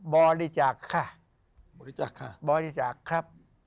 บริจาคบริจาคบริจาคครับ